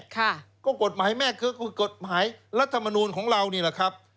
ค่ะก็กฎหมายแม่คือกฎหมายรัฐมนูลของเรานี่แหละครับ